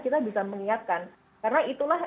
kita bisa mengingatkan karena itulah